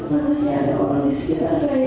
dengan seharian orang di sekitar saya